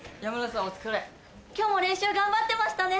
今日も練習頑張ってましたね。